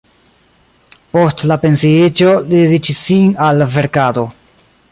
Post la pensiiĝo li dediĉis sin al verkado.